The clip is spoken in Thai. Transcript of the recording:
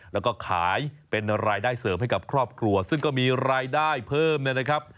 แล้วก็ขายเป็นรายได้เสริมให้กับครอบครัวซึ่งก็มีรายได้เพิ่มเนี่ยนะครับ